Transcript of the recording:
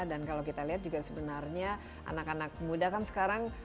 dan kalau kita lihat juga sebenarnya anak anak muda kan sekarang